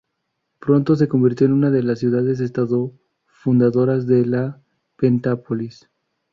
Pronto se convirtió en una de las ciudades-estado fundadoras de la Pentápolis.